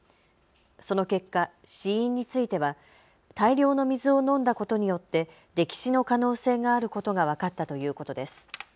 その結果、死因については大量の水を飲んだことによって溺死の可能性があることが分かったということです。